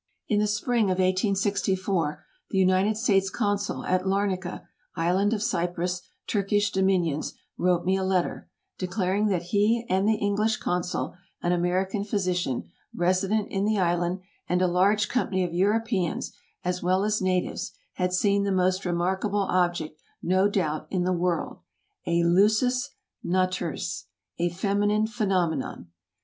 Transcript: In the spring of 1864, the United States Consul at Larnica, Island of Cyprus, Turkish Dominions, wrote me a letter, declaring that he and the English Consul, an American physician, resident in the island, and a large company of Europeans as well as natives, had seen the most remarkable object, no doubt, in the world, a lusus naturæ, a feminine phenomenon.